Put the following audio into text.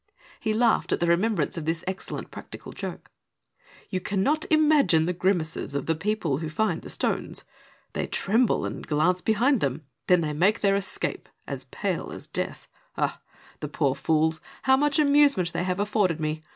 He laughed at the remembrance of this excellent practical joke. "You cannot imagine the grimaces of the people who find the stones. They tremble and glance behind them ; then they make their escape, as pale as death. Ah 1 the poor fools, how much amusement they have afforded me!